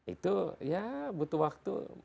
itu ya butuh waktu